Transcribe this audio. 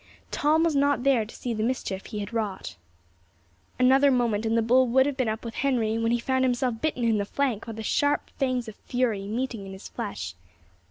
Tom was not there to see the mischief he had wrought. Another moment, and the bull would have been up with Henry, when he found himself bitten in the flank by the sharp fangs of Fury meeting in his flesh.